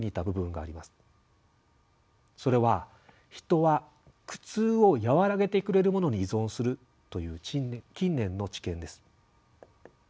それは「人は苦痛をやわらげてくれるものに依存する」という近年の知見です。